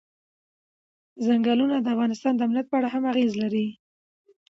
ځنګلونه د افغانستان د امنیت په اړه هم اغېز لري.